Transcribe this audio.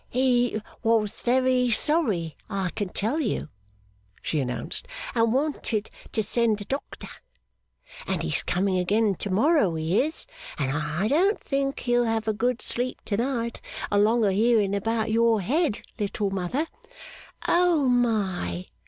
'He was very sorry, I can tell you,' she announced, 'and wanted to send a doctor. And he's coming again to morrow he is and I don't think he'll have a good sleep to night along o' hearing about your head, Little Mother. Oh my!